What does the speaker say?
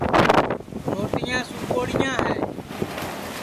روٹِیاں سُوکوڑیاں ہے